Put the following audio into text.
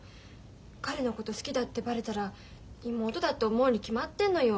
彼のこと好きだってバレたら妹だって思うに決まってんのよ。